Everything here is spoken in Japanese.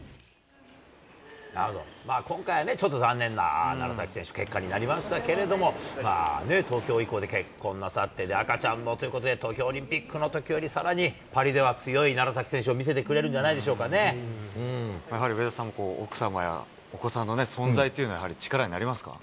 まあ、今回はね、ちょっと残念な、楢崎選手、結果になりましたけれども、東京以降で結婚なさって、赤ちゃんもということで、東京オリンピックのときより、さらにパリでは強い楢崎選手を見せてくれるんじゃないでしょうかやはり上田さん、奥様やお子さんの存在っていうのは、やはり力になりますか？